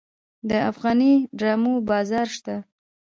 د افغاني ډرامو بازار شته؟